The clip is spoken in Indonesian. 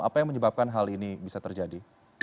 apa yang menyebabkan hal ini bisa terjadi